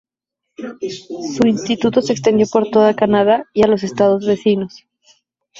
Su instituto se extendió por toda Canadá y a los estados vecinos.